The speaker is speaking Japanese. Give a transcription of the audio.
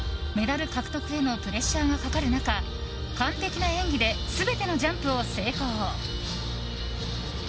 メダル獲得へのプレッシャーがかかる中完璧な演技で全てのジャンプを成功。